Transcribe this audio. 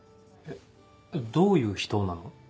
えどういう人なの？